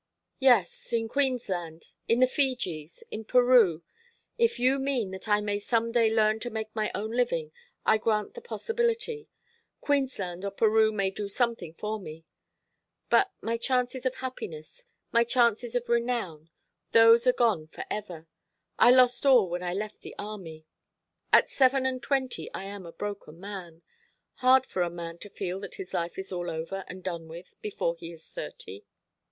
"Yes, in Queensland, in the Fijis, in Peru. If you mean that I may some day learn to make my own living, I grant the possibility. Queensland or Peru may do something for me. But my chances of happiness, my chances of renown those are gone for ever. I lost all when I left the army. At seven and twenty I am a broken man. Hard for a man to feel that this life is all over and done with before he is thirty."